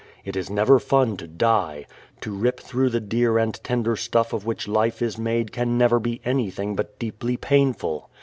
It is never fun to die. To rip through the dear and tender stuff of which life is made can never be anything but deeply painful.